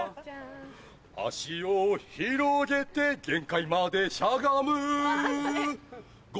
足を広げて限界までしゃがむ